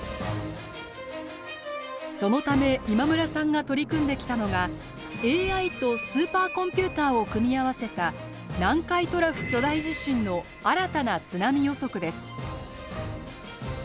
そのため今村さんが取り組んできたのがＡＩとスーパーコンピューターを組み合わせた南海トラフ巨大地震の新たな津波予測です。